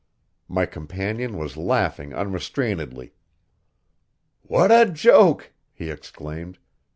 My companion was laughing unrestrainedly. "What a joke!" he exclaimed.